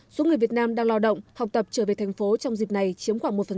số người việt nam đang lo động học tập trở về tp hcm trong dịp này chiếm khoảng một phần ba